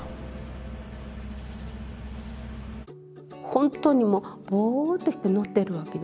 本当にもうボーッとして乗ってるわけじゃないんです。